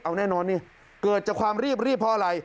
เอาแน่นอนนี่เกิดจากความรีบเพราะอะไร